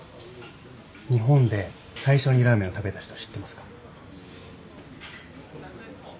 日本で最初にラーメンを食べた人知ってますか？